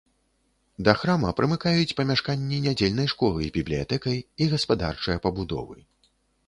Да храма прымыкаюць памяшканні нядзельнай школы з бібліятэкай і гаспадарчыя пабудовы.